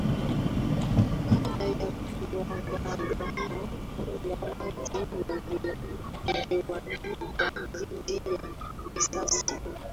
Baada ya kuwadanganya kwamba maji yangewakinga dhidi ya risasi